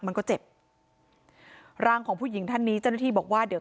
มันก็เจ็บร่างของผู้หญิงท่านนี้เจ้าหน้าที่บอกว่าเดี๋ยว